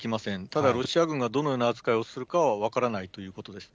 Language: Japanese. ただ、ロシア軍がどのような扱いをするかは分からないということです。